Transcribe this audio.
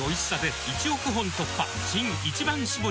新「一番搾り」